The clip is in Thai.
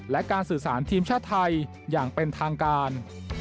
และการสื่อสารทีมชาติไทยอย่างเป็นทางการ